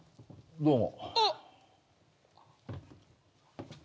どうも。